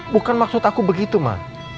bukan maksud aku begitu ma